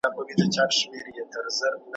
چي یې وکتل تر شا زوی یې کرار ځي ,